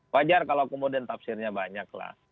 wajar kalau kemudian tafsirnya banyak lah